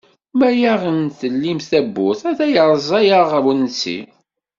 Ma aɣ-in-tellim tawwurt, ata yeṛẓa-aɣ wansi.